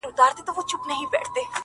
وېريږي نه خو انگازه يې بله،